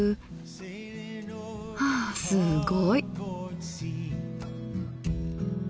あすごい。